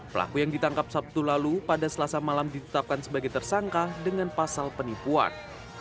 pelaku yang ditangkap sabtu lalu pada selasa malam ditetapkan sebagai tersangka dengan pasal penipuan